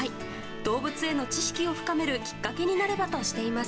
動物への知識を深めるきっかけになればとしています。